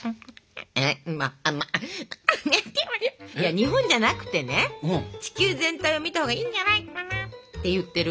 日本じゃなくてね地球全体を見たほうがいいんじゃないかな？って言ってる。